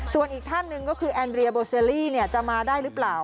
ส่วนอีกท่านหนึ่งก็คือแอนเรียโบเซลลี่จะมาได้หรือเปล่า